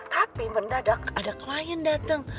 tapi mendadak ada klien datang